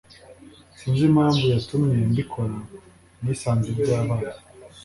sinzi impamvu yatumye mbikora nisanze byabaye